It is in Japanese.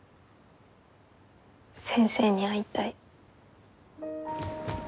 先生に会いたい。